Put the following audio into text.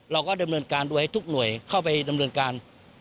เราก็ดำเนินการโดยให้ทุกหน่วยเข้าไปดำเนินการ